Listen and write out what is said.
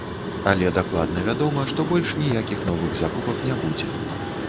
Але дакладна вядома, што больш ніякіх новых закупак не будзе.